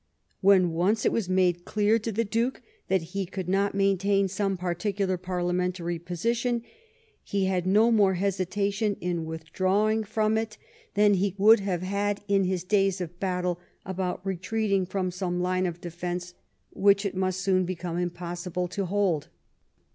When once it was made clear to the Duke that he could not maintain some particular Parliamentary position, he had no more hesitation in withdrawing from it GLADSTONE'S FIRST PARLIAMENT 35 than he would have had in his days of battle about retreating from some line of defence which it must soon become impossible to hold.